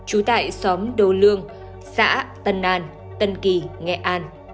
trú tại xóm đô lương xã tân an tân kỳ nghệ an